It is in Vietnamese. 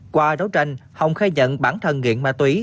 qua đấu tranh hồng khai nhận bản thân nghiện ma túy